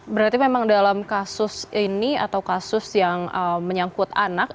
berarti memang dalam kasus ini atau kasus yang menyangkut anak